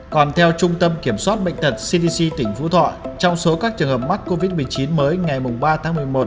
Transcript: còn theo trung tâm kiểm soát bệnh tật cdc tỉnh phú thọ trong số các trường hợp mắc covid một mươi chín mới ngày ba tháng một mươi một